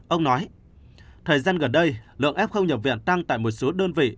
ông nói thời gian gần đây lượng f nhập viện tăng tại một số đơn vị